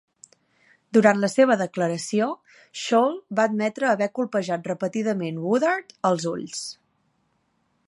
Durant la seva declaració, Shull va admetre haver colpejat repetidament Woodard als ulls.